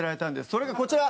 それがこちら。